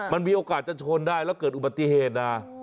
มันมีโอกาสจะชนได้แล้วเกิดอุบัติเหตุนะ